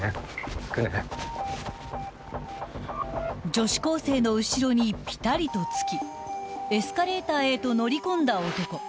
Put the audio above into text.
［女子高生の後ろにピタリとつきエスカレーターへと乗り込んだ男］